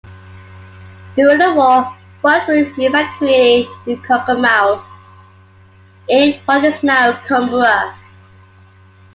During the war, boys were evacuated to Cockermouth in what is now Cumbria.